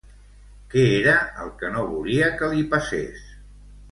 Què era el que no volia que li passés?